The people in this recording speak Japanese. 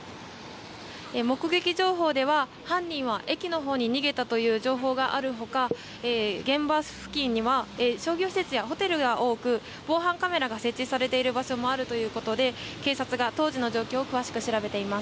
目撃情報では犯人は駅のほうに逃げたという情報がある他現場付近には商業施設やホテルが多く防犯カメラが設置されている場所もあるということで警察が当時の状況を詳しく調べています。